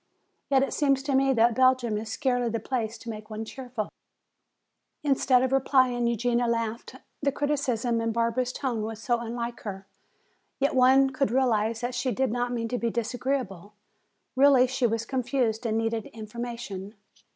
Yet it seems to me that Belgium is scarcely the place to make one cheerful." Instead of replying Eugenia laughed. The cynicism in Barbara's tone was so unlike her. Yet one could realize that she did not mean to be disagreeable. Really she was confused and needed information.